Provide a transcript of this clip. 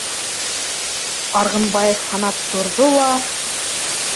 Арғынбаев һанап торҙо ла: